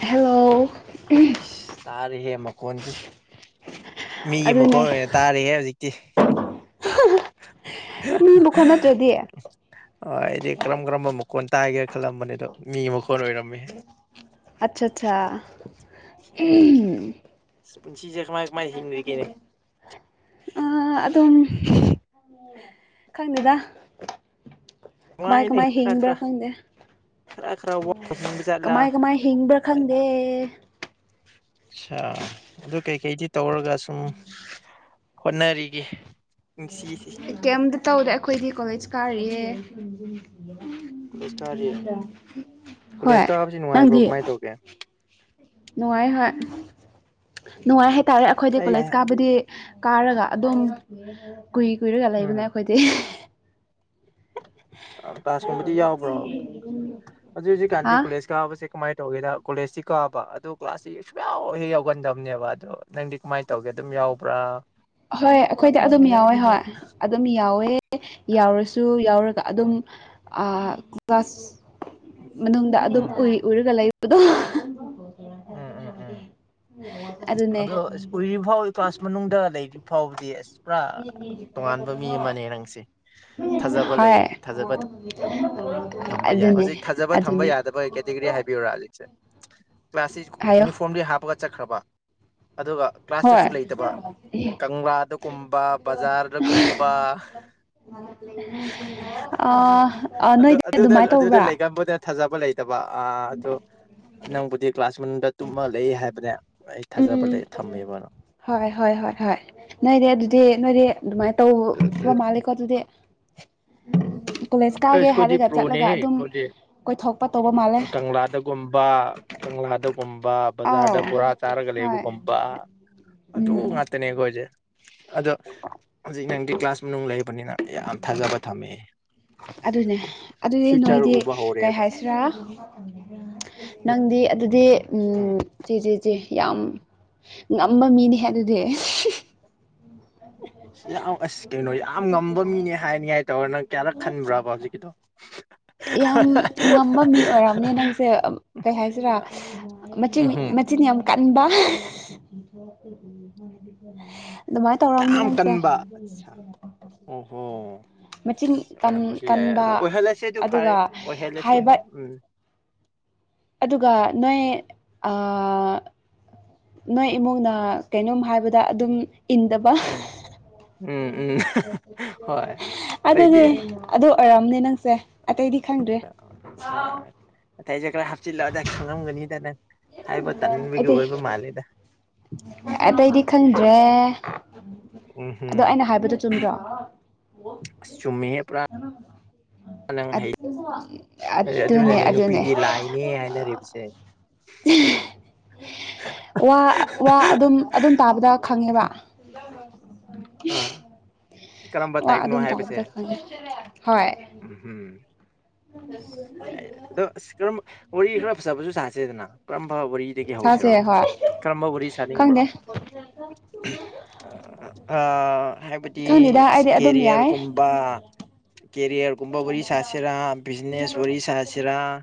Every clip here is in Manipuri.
ꯍꯜꯂꯣ ꯑꯁ ꯇꯥꯔꯤꯍꯦ ꯃꯈꯣꯟꯁꯦ ꯃꯤꯒꯤ ꯑꯗꯨꯅꯦ ꯃꯈꯣꯟ ꯑꯣꯏꯅ ꯇꯥꯔꯤꯍꯦ ꯍꯧꯖꯤꯛꯇꯤ ꯃꯤ ꯃꯈꯣꯟ ꯅꯠꯇ꯭ꯔꯗꯤ [inaudible] ꯍꯣꯢ ꯑꯩꯗꯤ ꯀꯔꯝ ꯀꯔꯝꯕ ꯃꯈꯣꯟ ꯇꯥꯏꯒꯦ ꯈꯜꯂꯝꯕꯅꯤ ꯑꯗꯣ ꯃꯤ ꯃꯈꯣꯟ ꯑꯣꯏꯔꯝꯃꯦ ꯑꯆꯥ ꯑꯆꯥ ꯑꯁ ꯎꯝ ꯄꯨꯟꯁꯤꯁꯦ ꯀꯃꯥꯏ ꯀꯃꯥꯏꯅ ꯍꯤꯡꯗ꯭ꯔꯤꯒꯦꯅꯦ ꯑ ꯑꯗꯨꯝ ꯈꯪꯗꯦꯗ ꯀꯃꯥꯏ ꯅꯨꯡꯉꯥꯏꯅꯦ ꯀꯃꯥꯏ ꯈꯔ ꯍꯤꯡꯕ꯭ꯔꯥ ꯈꯔ ꯈꯪꯗꯦ ꯈꯔ ꯈꯔ ꯎ ꯋꯥꯅ ꯍꯤꯡꯕ ꯖꯥꯠꯂꯥ ꯀꯃꯥꯏ ꯀꯃꯥꯏ ꯍꯤꯡꯕ꯭ꯔꯥ ꯈꯪꯗꯦ ꯑꯁꯥ ꯑꯗꯨ ꯀꯩꯀꯩꯗꯤ ꯇꯧꯔꯒ ꯁꯨꯝ ꯍꯣꯠꯅꯔꯤꯒꯦ ꯅꯨꯡꯁꯤꯁꯤ ꯀꯦꯝꯇ ꯇꯧꯗ ꯑꯩꯈꯣꯏꯗꯤ ꯀꯣꯂꯦꯖ ꯀꯣꯂꯦꯖ ꯀꯥꯔꯤ ꯀꯥꯔꯤꯛꯑꯦ ꯍꯣꯏ ꯀꯣꯂꯦꯖ ꯀꯥꯕꯁꯤ ꯅꯨꯡꯉꯥꯏꯕ꯭ꯔꯣ ꯅꯪꯗꯤ ꯀꯃꯥꯏ ꯇꯧꯒꯦ ꯅꯨꯡꯉꯥꯏ ꯍꯣꯏ ꯅꯨꯡꯉꯥꯏ ꯍꯥꯏꯇꯥꯔꯦ ꯑꯩꯈꯣꯏꯗꯤ ꯑꯩ ꯀꯣꯂꯦꯖ ꯀꯥꯕꯨꯗꯤ ꯀꯥꯔꯒ ꯑꯗꯨꯝ ꯀꯨꯏ ꯀꯨꯏꯔꯒ ꯂꯩꯕꯅ ꯑꯩꯈꯣꯏꯗꯤ ꯀ꯭ꯂꯥꯁ ꯀꯨꯝꯕꯗꯤ ꯌꯥꯎꯕ꯭ꯔꯣ ꯍꯧꯖꯤꯛ ꯍꯧꯖꯤꯛ ꯍꯥ ꯀꯥꯟꯇꯤ ꯀꯣꯂꯦꯖ ꯀꯥꯕꯁꯦ ꯀꯃꯥꯏꯅ ꯇꯧꯒꯦꯗ ꯀꯣꯂꯦꯖꯁꯤ ꯀꯥꯕ ꯑꯗꯣ ꯀ꯭ꯂꯥꯁꯁꯤ ꯁꯨꯡꯃꯌꯥꯎ ꯍꯦꯛ ꯌꯥꯎꯒꯟꯗꯕꯅꯦꯕ ꯑꯗꯣ ꯅꯪꯗꯤ ꯀꯃꯥꯏꯅ ꯇꯧꯒꯦ ꯑꯗꯨꯝ ꯌꯥꯎꯕ꯭ꯔꯥ ꯍꯣꯏ ꯑꯩꯈꯣꯏꯗꯤ ꯑꯗꯨꯝ ꯌꯥꯎꯋꯦ ꯍꯣꯏ ꯑꯗꯨꯝ ꯌꯥꯎꯋꯦ ꯌꯥꯎꯔꯁꯨ ꯌꯥꯎꯔꯒ ꯑꯗꯨꯝ ꯎꯝ ꯑꯥ ꯀ꯭ꯂꯥꯁ ꯃꯅꯨꯡꯗ ꯑꯗꯨꯝ ꯎꯝ ꯎꯏ ꯎꯔꯒ ꯂꯩꯕꯗꯣ ꯎꯝ ꯎꯝ ꯎꯝ ꯑꯗꯨꯅꯦ ꯑꯗꯣ [unintelligible] ꯀ꯭ꯂꯥꯁ ꯃꯅꯨꯡꯗ ꯂꯩꯔꯤ ꯐꯥꯎꯕꯗꯤ ꯑꯁ ꯄꯨꯔꯥ ꯇꯣꯉꯥꯟꯕ ꯃꯤ ꯑꯃꯅꯦ ꯅꯪꯁꯦ ꯊꯥꯖꯕ ꯂꯩꯌꯦ ꯍꯣꯏ ꯊꯥꯖꯕ ꯊꯝꯕ ꯌꯥꯏ ꯑꯗꯨꯅꯦ ꯍꯧꯖꯤꯛ ꯊꯥꯖꯕ ꯊꯝꯕ ꯑꯗꯨꯅꯦ ꯌꯥꯗꯕ ꯀꯦꯇꯦꯒꯣꯔꯤ ꯍꯥꯏꯕꯤꯌꯨꯔꯥ ꯍꯧꯖꯤꯛꯁꯦ ꯀ꯭ꯂꯥꯁꯁꯤ ꯍꯥꯏꯌꯣ ꯌꯨꯅꯤꯐꯣꯔꯝꯗꯤ ꯍꯥꯞꯄꯒ ꯆꯠꯈ꯭ꯔꯕ ꯑꯗꯨꯒ ꯍꯣꯏ ꯀ꯭ꯂꯥꯁꯇꯁꯨ ꯂꯩꯇꯕ ꯀꯪꯂꯥꯗꯒꯨꯝꯕ ꯕꯖꯥꯔꯗꯒꯨꯝꯕ ꯑꫭ ꯑꫭ ꯑꯗꯨ ꯅꯣꯏꯗꯤ ꯑꯗꯨꯗ ꯑꯗꯨꯃꯥꯏꯅ ꯑꯗꯨꯗ ꯇꯧꯕ꯭ꯔꯥ ꯂꯩꯒꯟꯕꯗ ꯊꯥꯖꯕ ꯂꯩꯇꯕ ꯑꯥ ꯑꯗꯣ ꯅꯪꯕꯨꯗꯤ ꯀ꯭ꯂꯥꯁ ꯃꯅꯨꯡꯗ ꯇꯨꯝꯃ ꯂꯩ ꯍꯥꯏꯕꯅꯦ ꯑꯩ ꯊꯥꯖꯕ ꯎꯝ ꯂꯩ ꯊꯝꯃꯤꯕ ꯍꯣꯏ ꯍꯣꯏ ꯍꯣꯏ ꯍꯣꯏ ꯅꯣꯏꯗꯤ ꯑꯗꯨꯗꯤ ꯅꯣꯏꯗꯤ ꯑꯗꯨꯃꯥꯏꯅ ꯇ ꯗꯨꯕ ꯃꯥꯂꯀꯣ ꯑꯗꯨꯗꯤ ꯀꯣꯂꯦꯖ ꯑꯩ ꯀꯥꯒꯦ ꯁ꯭ꯀꯨꯜꯗꯤ ꯍꯥꯏꯔꯒ ꯆꯠꯂꯒ ꯄ꯭ꯔꯣꯅꯦꯍꯦ ꯑꯗꯨꯝ ꯑꯩꯈꯣꯏꯗꯤ ꯀꯣꯏꯊꯣꯛꯄ ꯇꯧꯕ ꯃꯥꯜꯂꯦ ꯒꯨꯝꯕ ꯀꯪꯂꯥꯗꯒꯨꯝꯕ ꯑꯥꯎ ꯕꯖꯥ꯭ꯔꯗ ꯕꯣꯔꯥ ꯆꯥꯔꯒ ꯍꯣꯏ ꯂꯩꯕꯒꯨꯝꯕ ꯑꯗꯨ ꯎꯝ ꯉꯥꯛꯇꯅꯦ ꯑꯩꯈꯣꯏꯁꯦ ꯑꯗꯣ ꯍꯧꯖꯤꯛ ꯅꯪꯒꯤ ꯀ꯭ꯂꯥꯁ ꯃꯅꯨꯡ ꯂꯩꯕꯅꯤꯅ ꯌꯥꯝ ꯊꯥꯖꯕ ꯊꯝꯃꯦ ꯑꯗꯨꯅꯦ ꯑꯗꯨꯗꯤ ꯐ꯭ꯌꯨꯆꯔ ꯅꯣꯏꯗꯤ ꯎꯕ ꯀꯩ ꯍꯧꯔꯦꯕ ꯍꯥꯏꯁꯤꯔꯥ ꯅꯪꯗꯤ ꯑꯗꯨꯗꯤ ꯎꯝ ꯆꯦ ꯆꯦ ꯆꯦ ꯌꯥꯝ ꯉꯝꯕ ꯃꯤꯅꯤꯍꯦ ꯑꯗꯨꯗꯤ ꯌꯥꯝ [inaudible] ꯇꯧꯔꯦ ꯅꯪ ꯀꯌꯥꯔꯛ ꯈꯟꯕ꯭ꯔꯥꯕ ꯍꯧꯖꯤꯛꯀꯤꯗꯣ ꯌꯥꯝ ꯉꯝꯕ ꯃꯤ ꯑꯣꯏꯔꯝꯅꯦ ꯅꯪꯁꯦ ꯑ ꯀꯩ ꯍꯥꯏꯁꯤꯔꯥ ꯃꯆꯤꯟ ꯎꯝꯍꯨꯝ ꯃꯆꯤꯟ ꯌꯥꯝ ꯀꯟꯕ ꯑꯗꯨꯃꯥꯏꯅ ꯇꯧꯔꯝꯅꯤ ꯅꯪꯁꯦ ꯑꯣ ꯍꯣ ꯃꯆꯤꯟ ꯀꯟ ꯑꯣꯏꯔꯝꯕꯁꯨ ꯌꯥ ꯑꯗꫭ ꯀꯟꯕ ꯑꯣꯍꯂꯥꯏꯁꯦ ꯑꯗꯨ ꯐꯔꯦ ꯑꯗꯨꯒ ꯑꯣꯍꯂꯥꯏꯁꯦ ꯍꯥꯏꯕ ꯍꫭꯏ ꯎꯝ ꯑꯗꯨꯒ ꯅꯣꯏ ꯑꯥ ꯅꯣꯏ ꯏꯃꯨꯡꯅ ꯀꯩꯅꯣꯝ ꯍꯥꯏꯕꯗ ꯑꯗꯨꯝ ꯏꯟꯗꯕ ꯎꯝ ꯎꯝ ꯎꯝ ꯍꯣꯏ ꯑꯇꯩꯗꯤ ꯑꯗꯨꯗꯤ ꯑꯗꯨ ꯑꯣꯏꯔꯝꯅꯤ ꯅꯪꯁꯦ ꯑꯇꯩꯗꯤ ꯈꯪꯗ꯭ꯔꯦ ꯑꯇꯩꯁꯦ ꯈꯔ ꯍꯥꯞꯆꯤꯜꯂꯛꯑꯗ ꯈꯪꯉꯝꯒꯅꯤꯗ ꯅꯪ ꯍꯥꯏꯕ ꯇꯟꯕꯒꯤ ꯑꯇꯩ ꯑꯣꯏꯕ ꯃꯥꯜꯂꯦꯗ ꯑꯇꯩꯗꯤ ꯈꯪꯗ꯭ꯔꯦ ꯎꯝ ꯑꯗꯣ ꯍꯝ ꯑꯩꯅ ꯍꯥꯏꯕꯗꫭ ꯆꯨꯝꯗ꯭ꯔꯣ ꯑꯁ ꯆꯨꯝꯃꯤꯍꯦ ꯄꯨꯔꯥ ꯅꯪ ꯍꯩ [unintelligible] ꯑꯗꯨꯅꯦ ꯑꯗꯨꯅꯅꯦ ꯑꯗꯨꯅꯦ ꯅꯨꯄꯤꯗꯤ ꯂꯥꯏꯅꯦ ꯍꯥꯏꯅꯔꯤꯕꯁꯦ꯫ ꯋꯥ ꯋꯥ ꯑꯗꯨꯝ ꯑꯗꯨꯝ ꯇꯥꯕꯗ ꯈꯪꯉꯦꯕ꯫ [unintelligible] ꯑꯥ ꯀꯔꯝꯕ ꯋꯥ ꯇꯥꯏꯞꯅꯣ ꯑꯗꯨꯝ ꯍꯥꯏꯕꯁꯦ ꯇꯥꯕꯗ ꯈꯪꯉꯦ ꯍꯣꯏ ꯎꯝ ꯌꯥꯏ ꯌꯥꯏ ꯑꯗꯣ [unintelligible] ꯑꯁ ꯀꯔꯝꯕ ꯋꯥꯔꯤ ꯈꯔ ꯐꯖꯕꯁꯨ ꯆꯥꯁꯦꯗꯅ ꯀꯔꯝꯕ ꯋꯥꯔꯤ꯫ ꯁꯤꯗꯒꯤ ꯍꯧꯁꯤꯔꯣ ꯁꯥꯁꯦ ꯍꯣꯏ ꯀꯔꯝꯕꯕꯨꯗꯤ ꯁꯥꯅꯤꯡꯕ꯭ꯔꯣ꯫ ꯈꯪꯗꯦ ꯑꯥ ꯍꯥꯏꯕꯗꯤ ꯈꯪꯗꯦꯗ ꯑꯩꯗꯤ ꯑꯗꯨꯝ ꯌꯥꯏ ꯀꯦꯔꯤꯌꯔꯒꯨꯝꯕ ꯀꯦꯔꯤꯌꯔꯒꯨꯝꯕ ꯋꯥꯔꯤ ꯁꯥꯁꯤꯔꯥ꯫ ꯇꯤꯅꯦꯁ ꯋꯥꯔꯤ ꯁꯥꯍꯁꯤ꯭ꯔꯥ꯫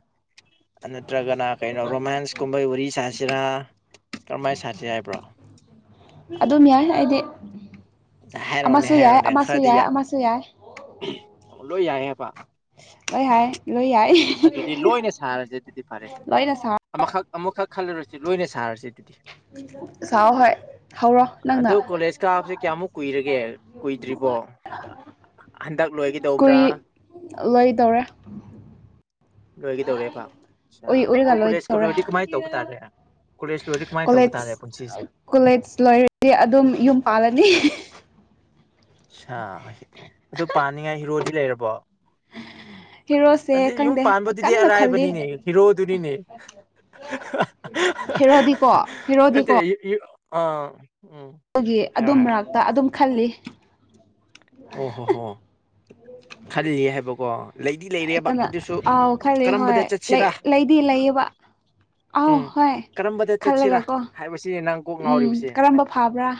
ꯅꯠꯇ꯭ꯔꯒꯅ ꯀꯩꯅꯣ ꯔꯣꯃꯥꯟꯁ ꯀꯨꯝꯕꯩ ꯋꯥꯔꯤ ꯁꯥꯁꯤꯔꯥ ꯀꯔꯝꯍꯥꯏꯅ ꯁꯥꯁꯤ ꯍꯥꯏꯕ꯭ꯔꯣ꯫ ꯑꯗꯨꯝ ꯌꯥꯏ ꯑꯩꯗꯤ ꯍꯥꯏꯔꯣꯅꯦ ꯑꯃꯁꯨ ꯌꯥꯏ ꯍꯥꯏꯔꯣꯅꯦ ꯑꯃꯁꯨ ꯈꯔꯗꯤ ꯌꯥꯏ ꯑꯃꯁꯨ ꯌꯥꯏ꯫ ꯂꯣꯏ ꯌꯥꯏ ꯍꯥꯏꯕ꯫ ꯂꯣꯏ ꯍꯥꯏ ꯂꯣꯏ ꯌꯥꯏ ꯑꯗꯨꯗꯤ ꯂꯣꯏꯅ ꯁꯥꯔꯁꯦ ꯑꯗꯨꯗꯤ ꯐꯔꯦꯁꯦ ꯂꯣꯏꯅ ꯁꯥꯏ꯫ ꯑꯃꯈꯛ ꯑꯃꯨꯛꯈꯛ ꯈꯜꯂꯨꯔꯁꯤ ꯂꯣꯏꯅ ꯁꯥꯔꯁꯤ ꯑꯗꯨꯗꯤ꯫ ꯁꯥꯑꯣ ꯍꯣꯏ ꯍꯧꯔꯣ ꯅꯪꯅ꯫ ꯑꯗꯨ ꯀꯣꯂꯦꯖ ꯀꯥꯕꯁꯦ ꯀꯌꯥꯃꯨꯛ ꯀꯨꯏꯔꯒꯦ ꯀꯨꯏꯗ꯭ꯔꯤꯕꯣ [unintelligible] ꯍꯟꯗꯛ ꯂꯣꯏꯒꯗꯧꯕ꯭ꯔꯥ꯫ ꯀꯨꯏ ꯂꯣꯏꯗꯧꯔꯦ꯫ ꯂꯣꯏꯒꯗꯧꯔꯦꯕ ꯑ ꯎꯏ ꯑꯗꯨ ꯎꯏꯔꯒ ꯀꯣꯂꯦꯖꯀ ꯂꯣꯏꯗꯧꯔꯦ ꯂꯣꯏꯔꯗꯤ ꯀꯃꯥꯏꯅ ꯇꯧꯕ ꯇꯥꯔꯦ꯫ ꯀꯣꯂꯦꯁ ꯂꯣꯏꯗꯤ ꯀꯃꯥꯏ ꯀꯣꯂꯦꯖ ꯇꯧꯕꯥꯇꯥꯔꯦ ꯄꯨꯟꯁꯤ꯫ ꯀꯣꯂꯦꯖ ꯂꯣꯏꯔꯗꯤ ꯑꯗꯨꯝ ꯌꯨꯝ ꯄꯥꯜꯂꯅꯤ꯫ ꯁꯥ ꯑꯗꯨ ꯄꯥꯅꯤꯡꯉꯥꯏ ꯍꯤꯔꯣꯗꯤ ꯂꯩꯔꯕꯣ꯫ ꯍꯦꯔꯣꯁꯦ ꯑꯗꯩ ꯌꯨꯝ ꯈꯪꯗꯦ ꯄꯥꯟꯕꯗꯨꯗꯤ ꯀꯟꯅ ꯈꯜꯂꯤ꯫ ꯑꯔꯥꯏꯕꯅꯤꯅꯦ ꯍꯤꯔꯣꯗꯨꯅꯤꯅꯦ ꯍꯔꯣꯗꯤ ꯀꯣ ꯍꯔꯣꯗꯤ ꯀꯣ [unintelligible] ꯑꯥ ꯎꯝ ꯑꯗꯨꯒꯤ ꯑꯗꯨ ꯍꯥꯏꯌꯣ ꯍꯥꯏꯌꯣ ꯃꯔꯛꯇ ꯑꯗꯨꯝ ꯈꯜꯂꯤ꯫ ꯑꯣ ꯍꯣ ꯍꯣ ꯈꯜꯂꯤ ꯍꯥꯏꯕꯀꯣ꯫ ꯂꯩꯗꯤ ꯂꯩꯔꯦꯕ ꯀꯩꯅꯣ ꯑꯗꯨꯁꯨ ꯑꯥꯎ ꯈꯜꯂꯤ ꯍꯣꯏ ꯀꯔꯝꯕꯗ ꯆꯠꯁꯤꯔꯥ꯫ ꯂꯩꯗꯤ ꯂꯩꯌꯦꯕ ꯑꯥꯎ ꯎꯝ ꯍꯣꯏ ꯀꯔꯝꯕꯗ ꯆꯠꯁꯤꯔꯥ ꯈꯜꯂꯒꯀꯣ ꯍꯥꯏꯕꯁꯤ ꯅꯪ ꯀꯣꯛ ꯎꯝ ꯉꯥꯎꯔꯤꯕꯁꯦ꯫ ꯀꯔꯝꯕ ꯐꯥꯕ꯭ꯔꯥ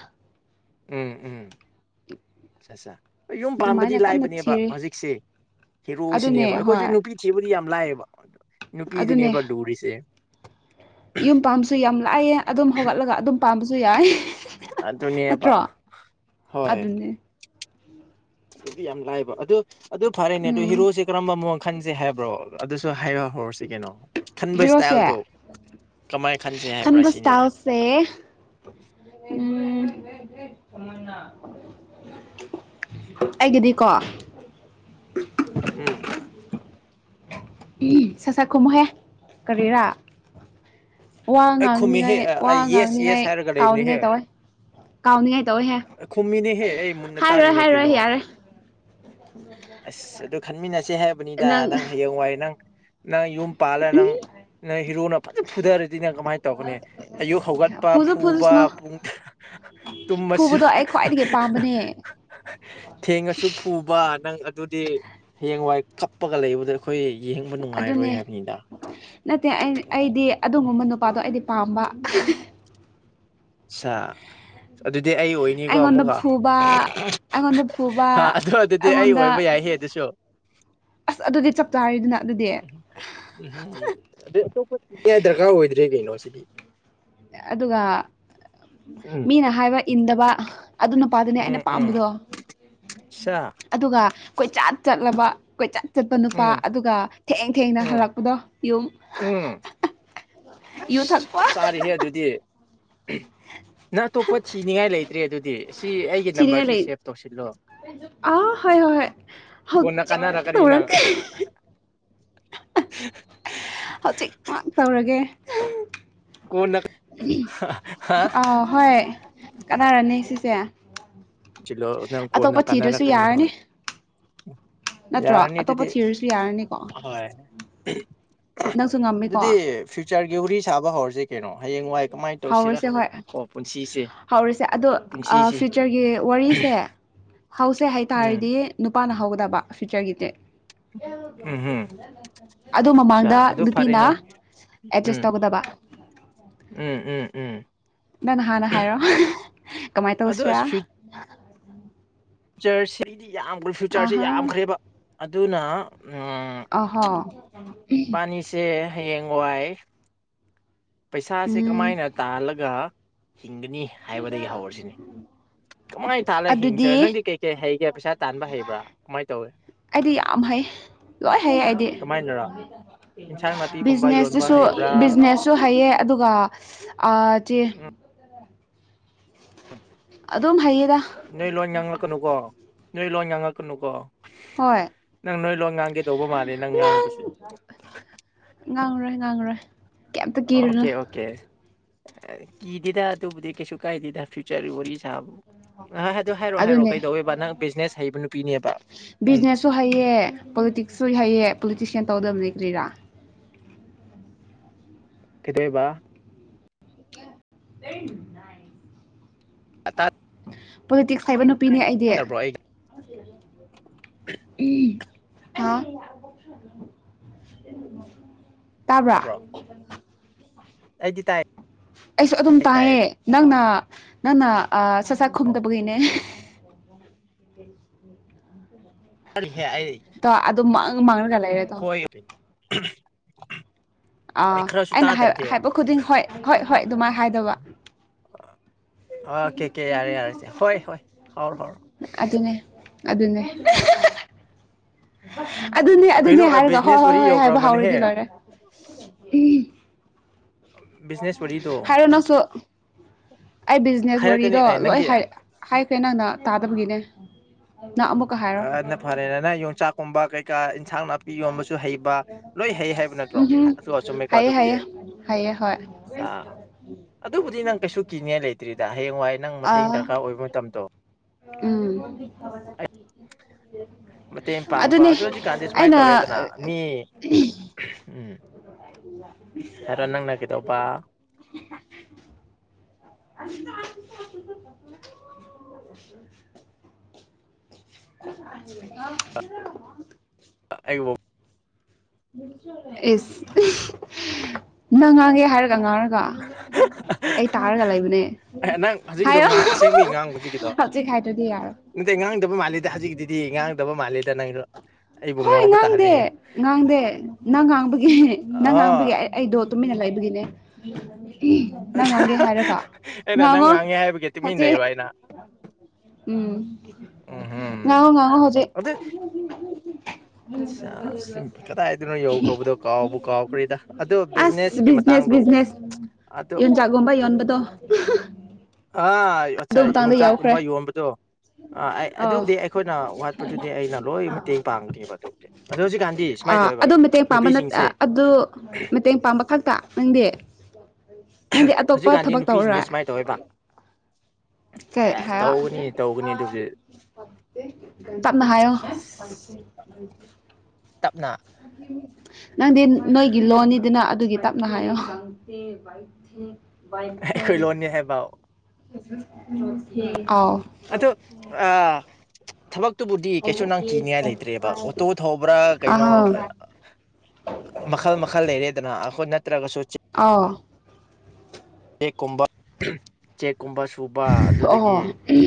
ꯎꯝ ꯎꯝ ꯑꯠꯆꯥ ꯆꯥ ꯌꯨꯝ ꯄꯥꯝꯕꯗꯤ ꯑꯗꯨꯃꯥꯏꯅ ꯀꯟꯅ ꯂꯥꯏꯕꯅꯦꯕ ꯊꯤꯔꯤ ꯍꯧꯖꯤꯛꯁꯦ꯫ ꯑꯗꯨꯅꯦ ꯍꯦꯔꯣꯁꯤꯅꯦꯕ ꯑꯩꯈꯣꯏꯁꯨ ꯍꯣꯏ ꯅꯨꯄꯤ ꯊꯤꯕꯨꯗꯤ ꯌꯥꯝ ꯂꯥꯛꯑꯦꯕ ꯑꯗꯨꯅꯦ ꯅꯨꯄꯤꯗꯨꯅꯦꯕ ꯂꯨꯔꯤꯁꯦ꯫ ꯌꯨꯝ ꯄꯥꯝꯕꯁꯨ ꯌꯥꯝ ꯂꯥꯏꯑꯦ ꯑꯗꯨꯝ ꯍꯧꯒꯠꯂꯒ ꯑꯗꯨꯝ ꯄꯥꯝꯕꯁꯨ ꯌꯥꯏ꯫ ꯑꯗꯨꯅꯤꯄꯥ ꯅꯠꯇ꯭ꯔꯣ ꯍꯣꯏ꯫ ꯑꯗꯨꯅꯦ ꯑꯗꯨꯗꯤ ꯌꯥꯝ ꯂꯥꯏꯕ ꯑꯗꯨ ꯑꯗꯨ ꯐꯔꯦꯅꯦ ꯑꯗꯨ ꯎꯝ ꯍꯤꯔꯣꯁꯦ꯫ ꯀꯔꯝꯕ ꯃꯑꯣꯡ ꯈꯟꯁꯦ ꯍꯥꯏꯕ꯭ꯔꯣ ꯑꯗꯨꯁꯨ ꯍꯥꯏꯔ ꯍꯧꯔꯁꯤ ꯀꯩꯅꯣ꯫ ꯈꯟꯕ ꯍꯤꯔꯣꯁꯦ ꯏꯁꯇꯥꯏꯜꯗꯣ ꯀꯃꯥꯏꯅ ꯈꯟꯁꯦ ꯍꯥꯏꯕ꯭ꯔꯥ ꯁꯤꯅꯤꯗ꯫ ꯁꯦ ꯎꯝ ꯑꯩꯒꯤꯗꯤꯀꯣ꯫ ꯎꯝ ꯎꯝ ꯁꯥꯠ ꯁꯛꯈꯨꯝꯃꯨꯍꯦ ꯀꯔꯤꯔꯥ꯫ ꯋꯥ ꯑꯩ ꯈꯨꯝꯃꯤꯍꯦ ꯉꯥꯡꯅꯤꯉꯥꯏ ꯋꯥ ꯑꯩ ꯌꯦꯁ ꯉꯥꯡꯅꯤꯉꯥꯏ ꯌꯦꯁ ꯍꯥꯏꯔꯒ ꯂꯩꯕꯅꯦꯍꯦ ꯀꯥꯎꯅꯤꯡꯉꯥꯏ ꯇꯧꯋꯦ꯫ ꯀꯥꯎꯅꯤꯡꯉꯥꯏ ꯇꯧꯋꯦꯍꯦ ꯈꯨꯝꯃꯤꯅꯦꯍꯦ ꯑꯩ ꯃꯨꯟꯅ ꯍꯥꯏꯔꯣꯏ ꯇꯥꯔꯤꯅꯦ ꯍꯥꯏꯔꯣꯏ ꯀꯩꯅꯣ ꯌꯥꯔꯦ꯫ ꯎꯝ ꯑꯁ ꯑꯗꯨ ꯈꯟꯃꯤꯟꯅꯁꯦ ꯍꯥꯏꯔꯕꯅꯤꯗ ꯅꯪ ꯍꯌꯦꯡꯋꯥꯏ ꯅꯪ꯫ ꯅꯪ ꯌꯨꯝ ꯄꯥꯜꯂ ꯅꯪ ꯎꯝ ꯅꯪ ꯍꯤꯔꯣꯅ ꯐꯖꯅ ꯐꯨꯊꯔꯗꯤ ꯅꯪ ꯀꯃꯥꯏꯅ ꯇꯧꯒꯅꯤ ꯑꯌꯨꯛ ꯍꯧꯒꯠꯄ ꯐꯨꯁꯨ ꯐꯨꯕ ꯐꯨꯖꯁꯅꯨ ꯄꯨꯡ ꯇꯨꯝꯃꯁꯨ ꯐꯨꯕꯗꯣ ꯑꯩ ꯈ꯭ꯋꯥꯏꯗꯒꯤ ꯄꯥꯝꯕꯅꯦ ꯊꯦꯡꯉꯁꯨ ꯐꯨꯕ ꯅꯪ ꯑꯗꯨ ꯍꯌꯦꯡꯋꯥꯏ ꯀꯞꯄꯒ ꯂꯩꯕꯗ ꯑꯩꯈꯣꯏ ꯌꯦꯡꯕ ꯅꯨꯡꯉꯥꯏꯔꯣꯏ ꯑꯗꯨꯅꯦ ꯍꯥꯏꯕꯅꯤꯗ ꯅꯠꯇꯦ ꯑꯩ ꯑꯩꯗꯤ ꯑꯗꯨꯒꯨꯝꯕ ꯅꯨꯄꯥꯗꯣ ꯑꯩꯗꯤ ꯄꯥꯝꯕ ꯑ ꯑꯗꯨꯗꯤ ꯑꯩ ꯑꯣꯏꯅꯤꯀꯣ ꯑꯩꯉꯣꯟꯗ ꯑꯃꯨꯛꯀ ꯐꯨꯕ ꯑꯩꯉꯣꯟꯗ ꯐꯨꯕ ꯑꯗꯨ ꯑꯗꯨꯗꯤ ꯑꯩ ꯑꯩꯉꯣꯟꯗ ꯑꯣꯏꯕ ꯌꯥꯏꯍꯦ ꯑꯗꯨꯁꯨ ꯑꯁ ꯑꯗꯨꯗꯤ ꯆꯞ ꯆꯥꯔꯤꯗꯨꯅ ꯑꯗꯨꯗꯤ ꯎꯝꯝ ꯑꯗꯩ ꯑꯇꯣꯞꯄꯅꯤꯡꯌꯥꯥꯏ ꯗꯔꯀꯥꯔ ꯑꯣꯏꯗ꯭ꯔꯦ ꯀꯩꯅꯣ ꯁꯤꯗꯤ ꯑꯗꯨꯒ ꯎꯝ ꯃꯤꯅ ꯍꯥꯏꯕ ꯏꯟꯗꯕ ꯑꯗꯨꯅ ꯃꯄꯥꯗꯨꯅꯦ ꯎꯝ ꯑꯩꯅ ꯎꯝ ꯄꯥꯝꯕꯗꯣ ꯁꯥ ꯑꯗꯨꯒ ꯀꯣꯏꯆꯠ ꯆꯠꯂꯕ ꯀꯣꯏꯆꯠ ꯆꯠꯄ ꯅꯨꯄꯥ ꯎꯝ ꯑꯗꯨꯒ ꯊꯦꯡ ꯊꯦꯡꯅ ꯎꯝ ꯍꯜꯂꯛꯄꯗꯣ ꯌꯨꯝ ꯎꯝ ꯌꯨ ꯑꯁ ꯊꯛꯄ ꯆꯞ ꯆꯥꯔꯤꯍꯦ ꯑꯗꯨꯗꯤ ꯅꯪ ꯑꯇꯣꯞꯄ ꯊꯤꯅꯤꯡꯉꯥꯏ ꯂꯩꯇ꯭ꯔꯦ ꯑꯗꯨꯗꯤ ꯁꯤ ꯑꯩꯒꯤ ꯅꯝꯕꯔꯁꯦ ꯁꯦꯞ ꯇꯧꯁꯤꯜꯂꯣ ꯑ ꯍꯣꯏ ꯍꯣꯏ ꯍ ꯍ ꯀꯣꯟꯅ ꯆ ꯀꯥꯟꯅꯔꯛꯀꯅꯤ ꯇꯧꯔ ꯅꯪ [unintelligible] ꯍꯧꯖꯤꯛꯃꯛ ꯇꯧꯔꯒꯦ ꯀꯣꯟꯅ ꯍꯥ ꯑꯥꯎ ꯍꯣꯏ ꯀꯅꯥꯔꯅꯤ ꯁꯤꯁꯦ ꯆꯂ ꯀꯅ ꯑꯇꯣꯞꯄ ꯀꯥꯟꯅꯥꯔꯥ ꯊꯤꯗ꯭ꯔꯁꯨ ꯀꯅꯤ ꯌꯥꯔꯅꯤ ꯍ ꯅꯠꯇ꯭ꯔꯣ ꯌꯥꯔꯅꯤ ꯑꯇꯣꯞꯄ ꯇꯗꯤ ꯊꯤꯔꯁꯨ ꯌꯥꯔꯅꯤꯀꯣ ꯍ ꯅꯪꯁꯨ ꯉꯝꯃꯤꯀꯣ ꯑꯗꯨꯗꯤ ꯐ꯭ꯌꯨꯆꯔꯒꯤ ꯋꯥꯔꯤ ꯁꯥꯕ ꯍꯧꯔꯁꯦ ꯀꯩꯅꯣ ꯍꯌꯦꯡ ꯋꯥꯏ ꯀꯃꯥꯏꯅ ꯇꯧꯁꯤꯔꯥ ꯍꯧꯔꯁꯦ ꯍꯣꯏ ꯑꯣ ꯄꯨꯟꯁꯤꯁꯦ ꯍꯧꯔꯁꯦ ꯑꯗꯣ ꯄꯨꯟꯁꯤꯁꯦ ꯐ꯭ꯌꯨꯆꯔꯒꯤ ꯋꯥꯔꯤꯁꯦ ꯍꯧꯁꯦ ꯎꯝ ꯍꯥꯏꯇꯥꯔꯗꯤ ꯅꯨꯄꯥꯅ ꯍꯧꯒꯗꯕ ꯐ꯭ꯌꯨꯆꯔꯒꯤꯗꯤ ꯎꯝꯍꯝ ꯑꯗꯣ ꯑꯆꯥ ꯃꯃꯥꯡꯗ ꯑꯗꯨ ꯅꯨꯄꯤꯅ ꯐꯔꯦꯅꯦ ꯑꯦꯗ꯭ꯔꯁ ꯎꯝ ꯇꯧꯒꯗꯕ ꯎꯝ ꯎꯝ ꯎꯝ ꯅꯪ ꯍꯥꯟꯅ ꯍꯥꯏꯔꯣ ꯀꯃꯥꯏꯅ ꯑꯗꯣ ꯇꯧꯁꯤꯔꯥ ꯐ꯭ꯌꯨꯆꯔꯁꯤꯗꯤ ꯌꯥꯝꯈ꯭ꯔꯦ ꯐ꯭ꯌꯨꯆꯔꯁꯤꯦ ꯑꯍꯥ ꯌꯥꯝꯈ꯭ꯔꯦꯕ ꯑꯗꯨꯅ ꯑꯍꯥ ꯕꯥꯅꯤꯁꯦ ꯍꯌꯦꯡ ꯋꯥꯏ ꯄꯩꯁꯥꯁꯦ ꯎꯝ ꯀꯃꯥꯏꯅ ꯇꯥꯍꯜꯂꯒ ꯍꯤꯡꯒꯅꯤ ꯍꯥꯏꯕꯗꯒꯤ ꯍꯧꯔꯁꯤꯅꯤ ꯀꯃꯥꯏꯅ ꯊꯥꯜꯂꯒ ꯑꯗꯨꯗꯤ ꯍꯤꯡꯁꯤꯔꯦ ꯅꯪꯗꯤ ꯀꯩꯀꯩ ꯍꯩꯒꯦ ꯄꯩꯁꯥ ꯇꯥꯟꯕ ꯍꯩꯕ꯭ꯔꯥ ꯀꯃꯥꯏꯅ ꯇꯧꯋꯦ ꯑꯩꯗꯤ ꯌꯥꯝ ꯍꯩ ꯂꯣꯏ ꯍꯩ ꯑꯩꯗꯤ ꯀꯃꯥꯏꯅꯔꯥ ꯏꯟꯁꯥꯡ ꯅꯥꯄꯤꯒꯨꯝꯕ ꯌꯣꯟꯕ ꯕꯤꯖꯤꯅꯦꯁꯇꯨꯁꯨ ꯍꯩꯕ꯭ꯔꯥ ꯕꯤꯖꯤꯅꯦꯁꯁꯨ ꯍꯩꯌꯦ ꯑꯗꯨꯒ ꯆ ꯑꯗꯨꯝ ꯍꯌꯦꯗ ꯅꯣꯏ ꯂꯣꯏ ꯉꯥꯡꯂꯛꯀꯅꯨꯀꯣ ꯅꯣꯏ ꯂꯣꯏ ꯉꯥꯡꯂꯛꯀꯅꯨꯀꯣ ꯍꯣꯏ ꯅꯪ ꯅꯣꯏ ꯂꯣꯏ ꯉꯥꯡꯒꯦ ꯇꯧꯕ ꯃꯥꯜꯂꯦ ꯅꯪ ꯉꯥꯡ ꯉꯥꯡꯕꯁꯦ ꯉꯥꯡꯔꯣꯏ ꯉꯥꯡꯔꯣꯏ ꯀꯩꯝꯇ ꯀꯤꯔꯨꯅꯨ ꯑꯣꯀꯦ ꯑꯣꯀꯦ ꯀꯤꯗꯦꯗ ꯑꯗꯨꯕꯨꯗꯤ ꯀꯩꯁꯨ ꯀꯥꯏꯗꯦꯗ ꯐ꯭ꯌꯨꯆꯔ ꯋꯥꯔꯤ ꯁꯥꯕꯨ ꯑ ꯑꯗꯨꯔꯣꯍꯥꯏꯔꯣ ꯑꯗꯨꯅꯦ ꯀꯩꯗꯧꯋꯦꯕ ꯅꯪ ꯕꯤꯖꯤꯅꯦꯁ ꯍꯩꯕ ꯅꯨꯄꯤꯅꯦꯕ ꯎꯝ ꯁꯨ ꯍꯩꯌꯦ ꯄꯣꯂꯤꯇꯤꯛꯁꯁꯨ ꯍꯩꯌꯦ ꯄꯣꯂꯤꯇꯤꯁꯤꯌꯥꯟ ꯇꯧꯗꯕꯗꯤ ꯀ꯭ꯔꯤꯔꯥ ꯀꯗꯣꯏꯕ ꯃꯤꯅꯥꯏ ꯄꯣꯂꯤꯇꯤꯛꯁ ꯍꯥꯏꯕ ꯅꯨꯄꯤꯅꯦ ꯑꯩꯗꯤ ꯇꯥꯗꯕ꯭ꯔꯣ ꯑꯩ ꯎꯝ ꯍꯥ ꯇꯥꯕ꯭ꯔꯥ ꯇꯥꯕ꯭ꯔꯣ ꯑꯩꯗꯤ ꯇꯥꯏ ꯑꯩꯁꯨ ꯑꯗꯨꯝ ꯇꯥꯏ ꯇꯥꯏꯌꯦ ꯅꯪꯅ ꯅꯪꯅ ꯆꯥꯛꯆꯥꯥꯛ ꯈꯨꯝꯗꯕꯒꯤꯅꯦ [unintelligible] ꯑꯩ ꯑꯗꯣꯑꯗꯨꯝ ꯑꯉꯝꯍꯥꯏꯔꯦ ꯍꯣꯏ ꯑꯥ ꯈꯔꯁꯨ ꯑꯩꯅ ꯇꯥꯗ꯭ꯔꯗꯤ ꯍꯥꯏꯍꯥꯏꯕ ꯈꯨꯗꯤꯡ ꯍꯣꯏꯍꯣꯏꯍꯣꯏ ꯑꯗꯨꯃꯥꯏ ꯍꯥꯏꯗꯧꯕ ꯑꯣꯀꯦ ꯀꯦ ꯀꯦ ꯌꯥꯔꯦ ꯌꯥꯔꯦꯁꯦ ꯍꯣꯏ ꯍꯣꯏ ꯍꯧꯔꯣ ꯍꯧꯔꯣ ꯑꯗꯨꯅꯦ ꯑꯗꯨꯅꯦ ꯏ ꯍꯥ ꯍꯥ ꯑꯗꯨꯅꯦ ꯑꯗꯨꯅꯦ ꯀꯩꯅꯣ ꯍꯥꯏꯔꯒ ꯍꯣꯏ ꯕꯤꯖꯤꯅꯦꯁ ꯍꯣꯏ ꯋꯥꯔꯤ ꯍꯣꯏ ꯍꯥꯏꯕ ꯌꯧꯈ꯭ꯔꯕꯅꯦꯍꯦ ꯍꯥꯎꯔꯗꯤ ꯂꯣꯏꯔꯦ ꯎꯝ ꯕꯤꯖꯤꯅꯦꯁ ꯋꯥꯔꯤꯗꯣ ꯍꯥꯏꯔꯣ ꯅꯪꯁꯨ ꯑꯩ ꯕꯤꯖꯤꯅꯦꯁ ꯍꯥꯏꯔꯛꯀꯅꯤ ꯋꯥꯔꯤꯗꯣ ꯑꯦ ꯂꯣꯏ ꯅꯪꯒꯤ ꯍꯥꯏ ꯍꯥꯏꯈ꯭ꯔꯦ ꯅꯪꯅ ꯇꯥꯗꯕꯒꯤꯅꯦ ꯅꯪ ꯑꯃꯨꯛ ꯑꯅ ꯐꯔꯦꯅꯦ ꯅꯪ ꯌꯣꯡꯆꯥꯛꯀꯨꯝꯕ ꯀꯩꯀꯥ ꯏꯟꯁꯥꯡ ꯅꯥ ꯏꯔꯣꯝꯕꯁꯨ ꯍꯩꯕ ꯂꯣꯏ ꯍꯩꯍꯥꯏꯕ ꯅꯠꯇ꯭ꯔꯣ ꯎꯝ ꯍꯝ ꯍꯥꯌꯕꯗꯣ ꯆꯨꯝꯃꯦꯀꯣ ꯍꯥꯏꯌꯦ ꯑꯗꯨꯕꯨꯗꯤ ꯍꯥꯏꯌꯦ ꯍꯥꯏꯌꯦ ꯍꯣꯏ ꯑ ꯑꯗꯨꯕꯨꯗꯤ ꯅꯪ ꯀꯩꯁꯨ ꯀꯤꯅꯤꯡꯉꯥꯏ ꯂꯩꯇ꯭ꯔꯤꯗ ꯍꯌꯦꯡꯋꯥꯏ ꯅꯪ ꯃꯇꯦꯡ ꯑꯥ ꯗꯔꯀꯥꯔ ꯑꯣꯏꯕ ꯃꯇꯝꯗꯣ ꯎꯝ ꯃꯇꯦꯡ ꯄꯥꯡꯕ ꯑꯗꯨꯅꯦ ꯑꯗꯨ ꯍꯧꯖꯤꯛꯀꯥꯟꯗꯤ ꯁꯨꯃꯥꯏꯅ ꯑꯩꯅ ꯇꯧꯔꯦꯗꯅ ꯃꯤ ꯎꯝ ꯍꯥꯏꯔꯣ ꯅꯪꯅ ꯀꯩꯗꯧꯕ [unintelligible] [unintelligible] [unintelligible] ꯑꯩꯕꯨ ꯏꯁ ꯅꯪ ꯉꯥꯡꯒꯦ ꯍꯥꯏꯔꯒ ꯉꯥꯡꯔꯒ ꯑꯩ ꯇꯥꯔꯒ ꯂꯩꯕꯅꯦ ꯑꯦ ꯅꯪ ꯍꯧꯖꯤꯛꯀꯤꯗꯣ ꯍꯥꯏꯌꯣ ꯉꯥꯡ ꯑꯁꯦꯡꯕꯒꯤ ꯉꯥꯡ ꯍꯧꯖꯤꯛꯀꯤꯗꯣ [unintelligible] ꯍꯧꯖꯤꯛ ꯍꯥꯏꯗ꯭ꯔꯗꯤ ꯌꯥꯔꯣꯏ ꯅꯠꯇꯦ ꯉꯥꯡꯗꯕ ꯃꯥꯜꯂꯤꯗ ꯍꯧꯖꯤꯛꯇꯤꯗꯤ ꯉꯥꯡꯗꯕ ꯃꯥꯜꯂꯤꯗ ꯅꯪꯁꯨ ꯑꯩꯕꯨ ꯍꯣꯏ ꯉꯥꯎꯕ ꯉꯥꯡꯗꯦ ꯇꯥꯍꯜꯂꯤꯍꯦ ꯉꯥꯡꯗꯦ ꯅꯪ ꯉꯥꯡꯕꯒꯤ ꯅꯪ ꯉꯥꯡꯕꯒꯤ ꯑ ꯑꯩ ꯑꯩꯗꯣ ꯇꯨꯃꯤꯟꯅ ꯂꯩꯕꯒꯤꯅꯦ ꯅꯪ ꯉꯥꯡꯒꯦ ꯍꯥꯏꯔꯒ ꯑꯩꯅ ꯅꯪ ꯉꯥꯡꯉꯣ ꯉꯥꯡꯉꯦ ꯍꯥꯏꯕꯒꯤ ꯇꯨꯃꯤꯟ ꯍꯣꯆꯦꯛ ꯂꯩꯕ ꯑꯩꯅ ꯎꯝ ꯎꯝ ꯍꯝ ꯉꯥꯡꯉꯣ ꯉꯥꯡꯉꯣ ꯍꯧꯖꯤꯛ ꯑꯗꯨ ꯑ ꯀꯗꯥꯏꯗꯅꯣ ꯌꯧꯈ꯭ꯔꯕꯗꯣ ꯀꯥꯎꯕꯨ ꯀꯥꯎꯈ꯭ꯔꯦꯗ ꯑꯗꯨ ꯑꯁ ꯕꯤꯖꯤꯅꯦꯁꯀꯤ ꯕꯤ ꯖꯤꯅꯦꯁ ꯃꯇꯥꯡꯗꯣ ꯕꯤꯖꯤꯅꯦꯁ ꯑꯗꯨ ꯌꯣꯟꯆꯥꯛ ꯒꯨꯝꯕ ꯌꯣꯟꯕꯗꯣ ꯑꯥ ꯑꯗꯨ ꯌꯣꯟꯆꯥꯛ ꯃꯇꯥꯡꯗ ꯌꯥꯎꯈ꯭ꯔꯦ ꯌꯣꯡꯆꯥꯛꯒꯨꯝꯕ ꯌꯣꯟꯕꯗꯣ ꯑꯥ ꯑꯥꯏ ꯑꯥꯎ ꯑꯗꯨꯕꯨꯗꯤ ꯑꯩꯈꯣꯏꯅ ꯋꯥꯠꯄꯗꯨꯗꯤ ꯑꯩꯅ ꯂꯣꯏ ꯃꯇꯦꯡ ꯄꯥꯡꯕꯅꯦꯕ ꯑꯥ ꯑꯗꯨ ꯃꯇꯦꯡꯄꯥꯡꯕ ꯅꯠ ꯅꯨꯄꯤꯁꯤꯡꯁꯦ ꯑꯥ ꯑꯗꯨ ꯃꯇꯦꯡ ꯄꯥꯡꯕ ꯈꯛꯇ ꯅꯪꯗꯤ ꯅꯪꯗꯤ ꯑꯇꯣꯞꯄ ꯍꯧꯖꯤꯛꯀꯥꯟꯗꯤ ꯊꯕꯛ ꯇꯧꯔꯥ ꯅꯨꯄꯤꯁꯤꯡꯁꯦ ꯁꯨꯃꯥꯏꯅ ꯇꯧꯋꯦꯕ ꯀꯩ ꯑꯦ ꯍꯥꯏꯌꯣ ꯇꯧꯒꯅꯤ ꯇꯧꯒꯅꯤ ꯑꯗꯨꯕꯨꯗꯤ ꯇꯞꯅ ꯍꯥꯏꯌꯣ ꯇꯞꯅ ꯅꯪꯗꯤ ꯅꯣꯏꯒꯤ ꯂꯣꯟꯅꯤꯗꯅ ꯑꯗꯨꯒꯤ ꯇꯞꯅ ꯍꯥꯏꯌꯣ [unintelligible] ꯑꯩꯈꯣꯏꯂꯣꯟꯅꯤ ꯍꯥꯏꯕ ꯑꯥꯎ ꯑꯗꯣ ꯑꯥ ꯊꯕꯛꯇꯨꯕꯨꯗꯤ ꯀꯩꯁꯨ ꯅꯪ ꯀꯤꯅꯤꯉꯥꯏ ꯂꯩꯇ꯭ꯔꯦꯕ ꯑꯣꯇꯣ ꯊꯧꯕ꯭ꯔꯥ ꯀꯩꯅꯣ ꯑꯍꯥ ꯃꯈꯜ ꯃꯈꯜ ꯂꯩꯔꯦꯗꯅ ꯑꯈꯣꯏ ꯅꯠꯇ꯭ꯔꯒꯁꯨ ꯆꯤꯞ ꯑꯥꯎ ꯀꯨꯝꯕ ꯎꯝ ꯆꯦꯛ ꯀꯨꯝꯕ ꯁꯨꯕ ꯑꯗꯨꯗꯒꯤ ꯑꯣ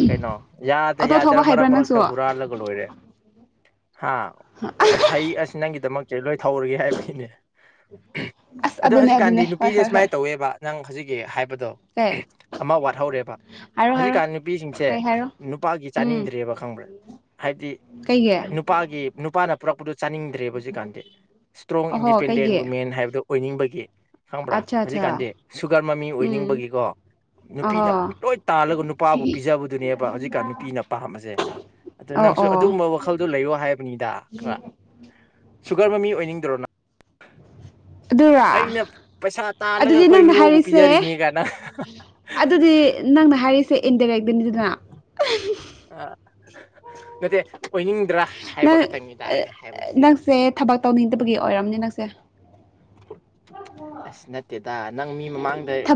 ꯀꯩꯅꯣ ꯌꯥꯗ ꯑꯣꯇꯣ ꯊꯧꯕ ꯌꯥꯗꯔ ꯃꯔꯛ ꯍꯩꯕ꯭ꯔꯥ ꯅꯪꯁꯨ ꯃꯔꯛꯇ ꯍꯨꯔꯥꯜꯂꯒ ꯂꯣꯏꯔꯦ ꯍꯥ ꯍꯩ ꯑꯁ ꯅꯪꯒꯤꯗꯃꯛ ꯁꯦ ꯂꯣꯏ ꯊꯧꯔꯒꯦ ꯍꯥꯏꯕꯅꯤꯅꯦ ꯑꯁ ꯑꯗꯣ ꯑꯗꯨꯅꯦ ꯍꯧꯖꯤꯛꯀꯥꯟꯗꯤ ꯑꯗꯨꯅꯦ ꯍꯣꯏ ꯅꯨꯄꯤꯁꯦ ꯍꯣꯏ ꯍꯣꯏ ꯁꯨꯃꯥꯏꯅ ꯇꯧꯋꯦꯕ ꯅꯪ ꯍꯧꯖꯤꯛ ꯒꯦ ꯍꯥꯏꯕꯗꯣ ꯀꯩ ꯑꯃ ꯋꯥꯠꯍꯧꯔꯦꯕ ꯍꯥꯏꯔꯣ ꯍꯥꯏꯔꯣ ꯍꯧꯖꯤꯛꯀꯥꯟ ꯅꯨꯄꯤꯁꯤꯡꯁꯦ ꯀꯩ ꯍꯥꯏꯔꯣ ꯅꯨꯄꯥꯒꯤ ꯎꯝ ꯆꯥꯅꯤꯡꯗ꯭ꯔꯦꯕ ꯈꯪꯕ꯭ꯔꯥ ꯍꯥꯏꯗꯤ ꯀꯩꯒꯤ ꯑ ꯅꯨꯞ ꯅꯨꯄꯥꯒꯤ ꯅꯨꯄꯥꯅ ꯄꯨꯔꯛꯄꯗꯨꯣ ꯆꯥꯅꯤꯡꯗ꯭ꯔꯦꯕ ꯍꯧꯖꯤꯛꯀꯥꯟꯗꯤ ꯏꯁꯇ꯭ꯔꯣꯡ ꯑꯍꯣ ꯏꯟꯗꯤꯄꯦꯟꯗꯦꯟ ꯀꯩꯒꯤ ꯋꯨꯃꯦꯟ ꯍꯥꯏꯕꯗꯨ ꯑꯣꯏꯅꯤꯡꯕꯒꯤ ꯈꯪꯕ꯭ꯔꯥ ꯑꯠꯆꯥ ꯑꯠꯆꯥ ꯍꯧꯖꯤꯛꯀꯥꯟꯗꯤ ꯁꯨꯒꯔ ꯃꯃꯤ ꯎꯝ ꯑꯣꯏꯅꯤꯡꯕꯒꯤꯀꯣ ꯑꯍꯣ ꯅꯨꯄꯤꯅ ꯂꯣꯏ ꯇꯥꯜꯂꯒ ꯅꯨꯄꯥꯕꯨ ꯄꯤꯖꯕꯗꯨꯅꯦꯕ ꯍꯧꯖꯤꯛꯀꯥꯟ ꯅꯨꯄꯤꯅ ꯄꯥꯝꯕꯁꯦ ꯑꯗꯨ ꯑꯣ ꯅꯪꯁꯨ ꯑꯣ ꯑꯗꯨꯒꯨꯝꯕ ꯋꯥꯈꯜꯗꯣ ꯂꯩꯌꯣ ꯍꯥꯏꯕꯅꯤꯗ ꯈꯔ ꯁꯨꯒꯔ ꯃꯝꯃꯤ ꯑꯣꯏꯅꯤꯡꯗ꯭ꯔꯣ ꯅꯪ ꯑꯗꯨꯔ ꯑꯩꯅ ꯄꯩꯁꯥ ꯇꯥꯜꯂꯒ ꯑꯗꯨꯗꯤ ꯑꯩꯈꯣꯏ ꯅꯪꯅ ꯍꯤꯔꯣꯕꯨ ꯍꯥꯏꯔꯤꯁꯦ ꯄꯤꯖꯔꯤꯅꯦ ꯀꯥꯏꯅ ꯑꯗꯨꯗꯤ ꯅꯪꯅ ꯍꯥꯏꯔꯤꯁꯦ ꯏꯟꯗꯥꯏꯔꯦꯛꯇꯅꯤꯗꯨꯅ ꯑ [unintelligible] ꯅꯠꯇꯦ ꯑꯣꯏꯅꯤꯡꯗ꯭ꯔꯥ ꯍꯥꯏꯕ ꯅꯪ ꯈꯛꯇꯪꯅꯤꯗ ꯑꯩꯅ ꯍꯥꯏꯕꯗꯤ ꯅꯪꯁꯦ ꯊꯕꯛ ꯇꯧꯅꯤꯡꯗꯕꯒꯤ ꯑꯣꯏꯔꯝꯅꯤ ꯅꯪꯁꯦ ꯑꯁ ꯅꯠꯇꯦꯗ ꯅꯪ ꯃꯤ ꯃꯃꯥꯡꯗ ꯊꯕꯛ